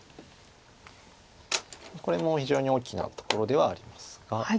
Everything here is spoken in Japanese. これも非常に大きなところではありますが。